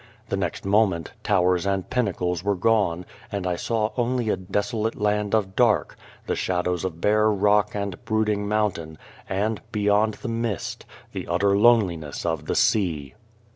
The next moment, towers and pinnacles were gone, and I saw only a desolate land of dark, the shadows of bare rock and brooding mountain, and, beyond the mist, the utter loneliness of the sea.